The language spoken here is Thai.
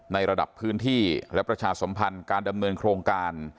ในระดับพื้นที่และประชาสมพันธ์การดำเนินโครงการ